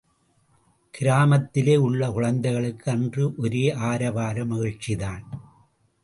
கிராமத்திலே உள்ள குழந்தைகளுக்கு அன்று ஒரே ஆரவார மகிழ்ச்சிதான்.